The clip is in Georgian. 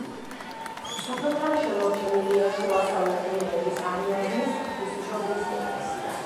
სოფელთან შემორჩენილია შუა საუკუნეების აიაზმის ღვთისმშობლის ეკლესია.